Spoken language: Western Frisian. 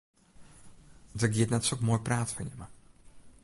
Der giet net sok moai praat fan jimme.